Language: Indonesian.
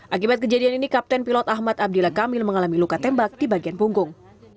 akibat kejadian ini kapten pilot ahmad abdillah kamil mengalami luka tembak di bagian punggung